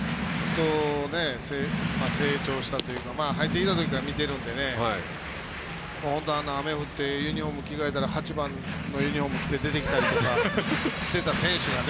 成長したというか入ってきたときから見てるので本当、雨が降ってユニフォーム着替えたら８番のユニフォーム着て出てきたりとかしてた選手がね。